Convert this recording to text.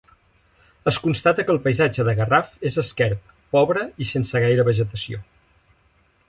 Es constata que el paisatge de Garraf és esquerp, pobre i sense gaire vegetació.